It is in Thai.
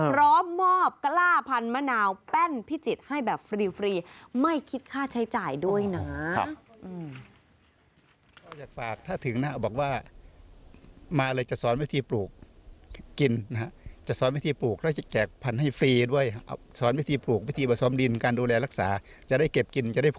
พร้อมมอบกล้าพันมะนาวแป้นพิจิตรให้แบบฟรี